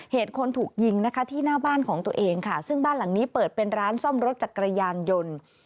เหตุคนถูกยิงนะคะที่หน้าบ้านของตัวเองค่ะซึ่งบ้านหลังนี้เปิดเป็นร้านซ่อมรถจักรยานยนต์